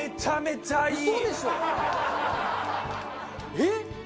えっ！